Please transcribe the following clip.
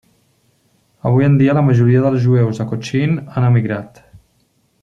Avui en dia la majoria dels jueus de Cochin han emigrat.